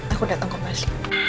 aku datang ke mas